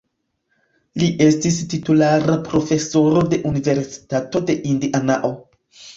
Li estis titulara profesoro de Universitato de Indianao.